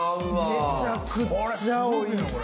めちゃくちゃおいしい！